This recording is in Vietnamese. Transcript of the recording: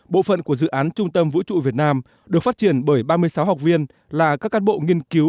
bộ phận của dự án trung tâm vũ trụ việt nam được phát triển bởi ba mươi sáu học viên là các cán bộ nghiên cứu